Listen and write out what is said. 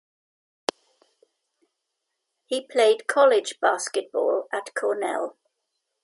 He played college basketball at Cornell.